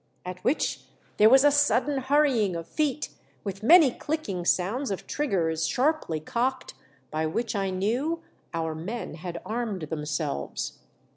at which there was a sudden hurrying of feet, with many clicking sounds of triggers sharply cocked, by which I knew our men had armed themselves.